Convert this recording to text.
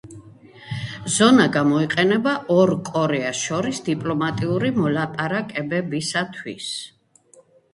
ზონა გამოიყენება ორ კორეას შორის დიპლომატიური მოლაპარაკებებისთვის.